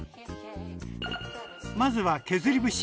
まずは削り節。